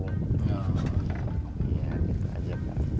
iya gitu aja pak